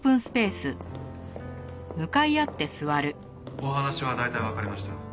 お話は大体わかりました。